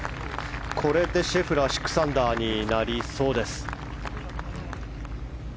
これでシェフラーは６アンダーになりそうです。